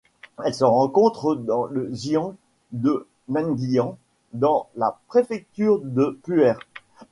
Elle se rencontre dans le Xian de Menglian dans la préfecture de Pu'er.